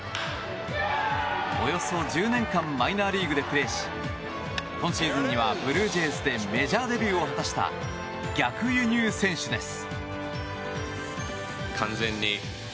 およそ１０年間マイナーリーグでプレーし今シーズンにはブルージェイズでメジャーデビューを果たした逆輸入選手です。